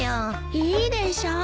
いいでしょ。